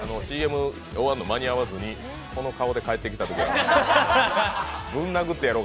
ＣＭ終わるの間に合わずに、この顔で帰ってきたことがある。